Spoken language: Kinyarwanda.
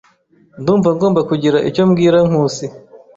Ndumva ngomba kugira icyo mbwira Nkusi.